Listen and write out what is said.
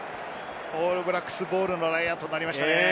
オールブラックスボールのラインアウトになりました。